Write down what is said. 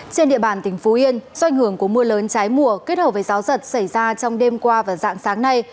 trên địa bàn tỉnh phú yên do ảnh hưởng của mưa lớn trái mùa kết hợp với gió giật xảy ra trong đêm qua và dạng sáng nay